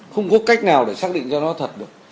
không có cách nào để xác định cho nó thật được